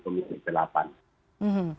kemudian di ke delapan